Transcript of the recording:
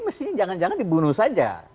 mestinya jangan jangan dibunuh saja